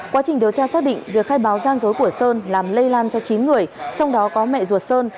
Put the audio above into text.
quá trình điều tra xác định việc khai báo gian dối của sơn làm lây lan cho chín người trong đó có mẹ ruột sơn